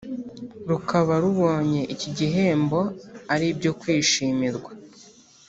rukaba rubonye iki igihembo ari ibyo kwishimirwa